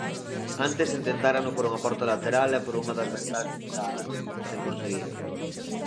Antes intentárano por unha porta lateral e por unha das ventás blindadas, sen conseguilo.